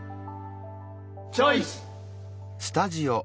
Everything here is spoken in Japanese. チョイス！